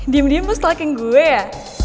diam diam lo stalking gue ya